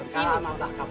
kalau mau takut